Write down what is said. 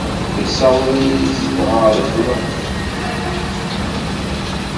Issaweḍ-iyi zedɣeɣ di ṭṭlam.